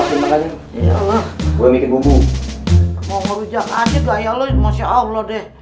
kalau kamu merujak saja gaya kamu masih allah